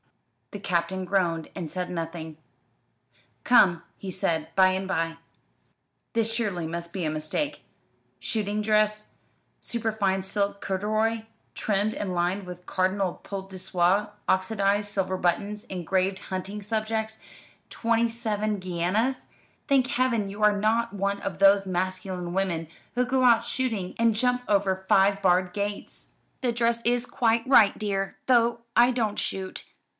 The Captain groaned and said nothing. "Come," he said, by and by, "this surely must be a mistake. 'Shooting dress, superfine silk corduroy, trimmed and lined with cardinal poult de soie, oxydised silver buttons, engraved hunting subjects, twenty seven guineas.' Thank Heaven you are not one of those masculine women who go out shooting, and jump over five barred gates." "The dress is quite right, dear, though I don't shoot.